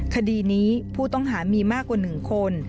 คดีนี้ผู้ต้องหามีมากกว่า๑คน